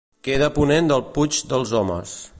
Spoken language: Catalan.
Queda a ponent del Puig dels Homes.